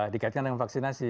dikatakan dengan vaksinasi